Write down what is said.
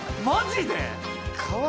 マジで？